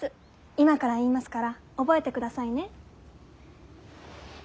今から言いますから覚えてくださいね。